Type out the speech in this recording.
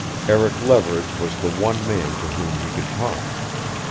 Eric Leverage was the one man to whom he could talk.